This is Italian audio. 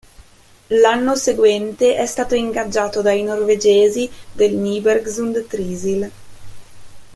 L'anno seguente, è stato ingaggiato dai norvegesi del Nybergsund-Trysil.